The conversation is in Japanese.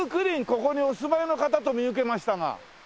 ここにお住まいの方と見受けましたが。